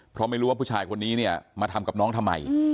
เพราะไม่รู้ว่าผู้ชายคนนี้เนี่ยมาทำกับน้องทำไม